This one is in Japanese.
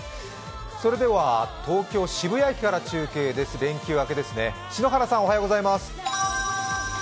それでは東京・渋谷駅から中継です連休明けですね篠原さんおはようございます。